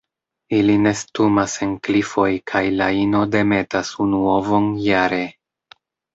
Ili nestumas en klifoj kaj la ino demetas unu ovon jare.